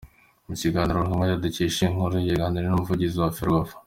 Mu kiganiro Ruhagoyacu dukesha iyi nkuru yagiranye n’umuvugizi wa Ferwafa .